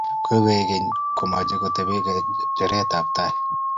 Koikeny ko machei ko tepe ngecheret ab tai